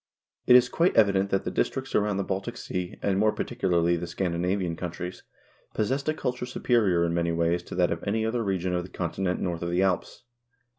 1 It is quite evident that the districts around the Baltic Sea, and, more particularly, the Scandinavian countries, possessed a culture superior in many ways to that of any other region of the Continent north of the Alps.